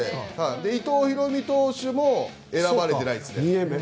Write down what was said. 伊藤大海投手も選ばれてないですね。